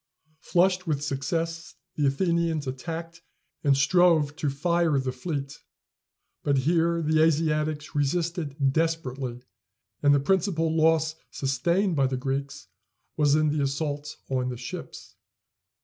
Flushed with success, the Athenians attacked and strove to fire the fleet. But here the Asiatics resisted desperately, and the principal loss sustained by the Greeks was in the assault on the ships.